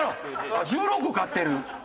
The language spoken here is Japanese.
１６個買ってる。